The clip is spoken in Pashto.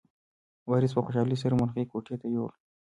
وارث په خوشحالۍ سره مرغۍ کوټې ته یووړه.